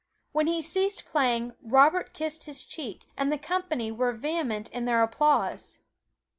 When he ceased playing, Robert kissed his cheek, and the company were vehement in their applause.